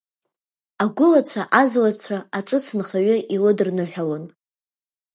Агәылацәа-азлацәа аҿыц нхаҩы илыдырныҳәалон.